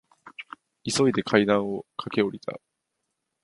急いで階段を駆け下りた。